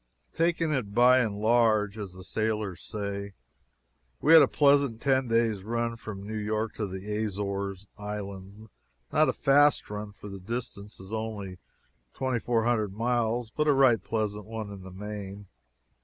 Taking it "by and large," as the sailors say, we had a pleasant ten days' run from New York to the Azores islands not a fast run, for the distance is only twenty four hundred miles, but a right pleasant one in the main.